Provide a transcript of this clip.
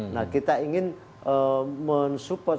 nah kita ingin mensupport